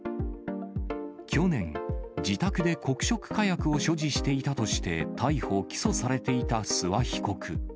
去年、自宅で黒色火薬を所持していたとして、逮捕・起訴されていた諏訪被告。